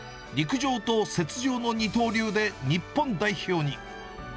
陸上と雪上の二刀流で、日本代表に。